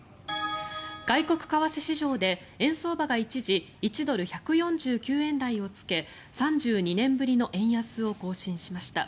外国為替市場で円相場が一時１ドル＝１４９円台をつけ３２年ぶりの円安を更新しました。